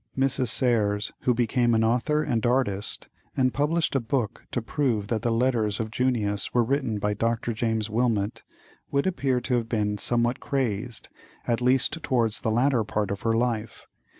Mrs. Serres, who became an author and artist, and published a book to prove that the Letters of Junius were written by Dr. James Wilmot, would appear to have been somewhat crazed, at least towards the latter part of her life.